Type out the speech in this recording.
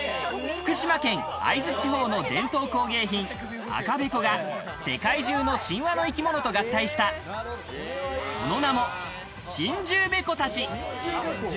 福島県会津地方の伝統工芸品赤べこが、世界中の神話の生き物と合体した、その名も、神獣ベコたち。